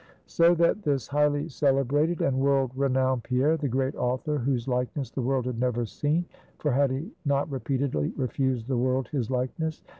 So that this highly celebrated and world renowned Pierre the great author whose likeness the world had never seen (for had he not repeatedly refused the world his likeness?)